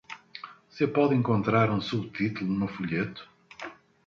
Você pode encontrar um subtítulo no folheto?